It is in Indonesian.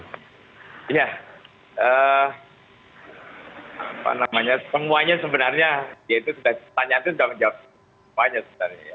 ya apa namanya semuanya sebenarnya ya itu sudah tanya tanya sudah menjawab semuanya sebenarnya